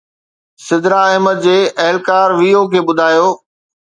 سدرا احمد، جي اهلڪار VO کي ٻڌايو